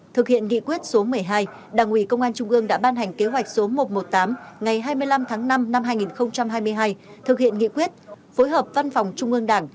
thực hiện nghị quyết số một mươi hai đảng ủy công an trung ương đã ban hành kế hoạch số một trăm một mươi tám ngày hai mươi năm tháng năm năm hai nghìn hai mươi hai thực hiện nghị quyết phối hợp văn phòng trung ương đảng